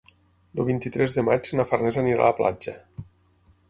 El vint-i-tres de maig na Farners anirà a la platja.